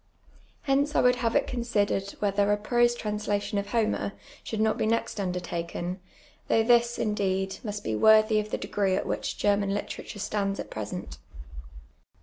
Hence I would have it considered whether a prose translation of Homer should not be next undertaken, though this, indeed, must be worthy of the degree at which German literature stands at present.